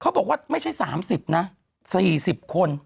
บอกว่าไม่ใช่๓๐นะ๔๐คน